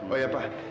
oh ya pak